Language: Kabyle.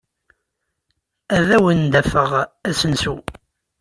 Ad awen-d-afeɣ asensu.